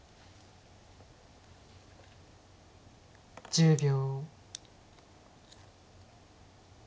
１０秒。